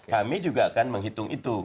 kami juga akan menghitung itu